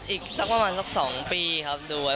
อีกสักประมาณสัก๒ปีครับ